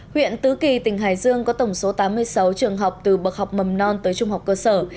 huyện tứ kỳ tỉnh hải dương có tổng số tám mươi sáu trường học từ bậc học mầm non tới trung học cơ sở